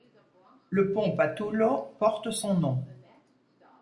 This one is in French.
Le pont Pattullo porte son nom.